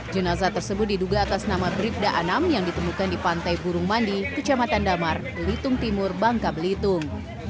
jenazah tersebut diduga atas nama bribda anam yang ditemukan di pantai burung mandi kecamatan damar belitung timur bangka belitung